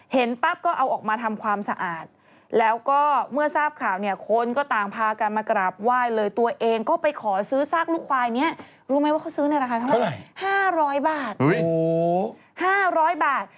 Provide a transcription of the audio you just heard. เห็นปั๊บก็เอาออกมาทำความสะอาด